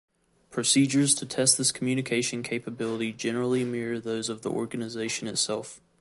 Procedures to test this communication capability generally mirror those of the organization itself.